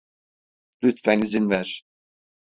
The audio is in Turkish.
Lütfen izin ver.